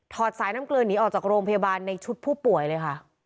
อดสายน้ำเกลือหนีออกจากโรงพยาบาลในชุดผู้ป่วยเลยค่ะ